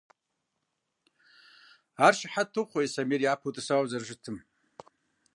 Ар щыхьэт тохъуэ Ислъэмейр япэу тӀысауэ зэрыщытым.